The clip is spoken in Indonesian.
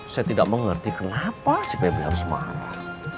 saya tidak mengerti kenapa si pp harus marah